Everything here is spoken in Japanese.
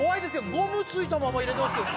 ゴムついたまま入れてますけど。